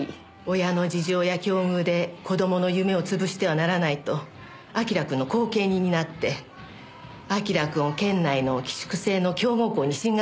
親の事情や境遇で子供の夢を潰してはならないと明君の後見人になって明君を県内の寄宿制の強豪校に進学させたんです。